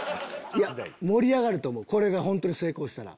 盛り上がると思うこれが本当に成功したら。